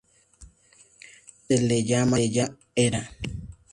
A veces se la llamaba "Hera".